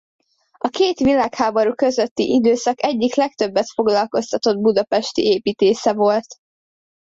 A két világháború közötti időszak egyik legtöbbet foglalkoztatott budapesti építésze volt.